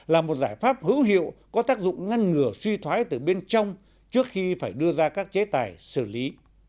là một giải pháp hữu hiệu có tác dụng ngăn ngừa suy thoái từ bên trong trước khi phải đưa ra các chế tài xử lý